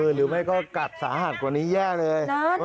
หรือไม่ก็กัดสาหัสกว่านี้แย่เลย